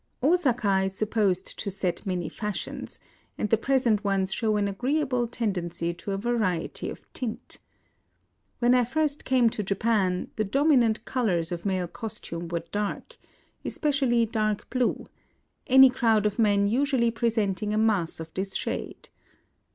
Osaka is supposed to set many fashions ; and the present ones show an agreeable ten dency to variety of tint. When I first came IN OSAKA 139 to Japan the dominant colors of male costume were dark, — especially dark blue ; any crowd of men usually presenting a mass of this shade.